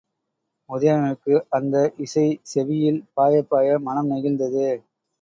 உதயணனுக்கு அந்த இசை செவியில் பாயப்பாய, மனம் நெகிழ்ந்தது.